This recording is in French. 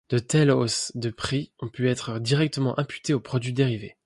De telles hausses de prix ont pu être directement imputées aux produits dérivés.